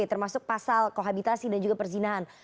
termasuk pasal kohabitasi dan juga perzinahan